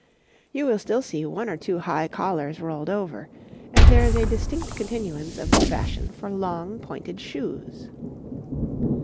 You will still see one or two high collars rolled over, and there is a distinct continuance of the fashion for long pointed shoes.